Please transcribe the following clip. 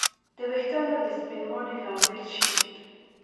د ویښتانو د سپینوالي لامل شي